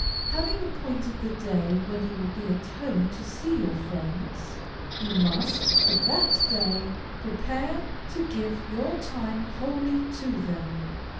Having appointed the day when you will be at home to see your friends, you must, for that day, prepare to give your time wholly to them.